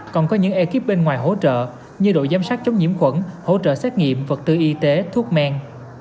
còn có những ekip bên ngoài hỗ trợ như đội giám sát chống nhiễm khuẩn hỗ trợ xét nghiệm vật tư y tế thuốc men